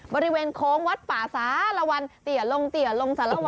บริเวณโค้งวัดป่าสารวรรณติ๋ยลงสารวรรณ